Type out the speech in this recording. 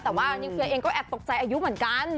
แต่ว่านิวเคลียร์เองก็แอบตกใจอายุเหมือนกัน